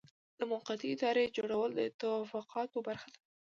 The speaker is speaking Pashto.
د موقتې ادارې جوړول د توافقاتو برخه وه.